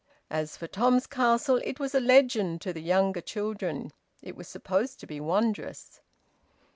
As for Tom's castle it was a legend to the younger children; it was supposed to be wondrous.